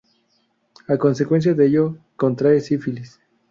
A consecuencia de ello contrae sífilis.